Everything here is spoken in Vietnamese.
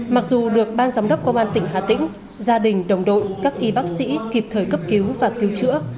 mặc dù được ban giám đốc công an tỉnh hà tĩnh gia đình đồng đội các y bác sĩ kịp thời cấp cứu và cứu chữa